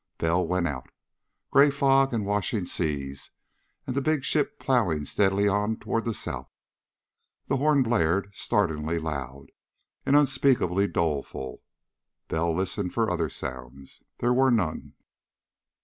Bell went out. Gray fog, and washing seas, and the big ship ploughing steadily on toward the south.... The horn blared, startlingly loud and unspeakably doleful. Bell listened for other sounds. There were none.